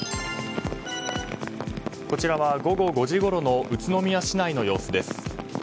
こちらは午後５時ごろの宇都宮市内の様子です。